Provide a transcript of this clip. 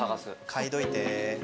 嗅いどいて。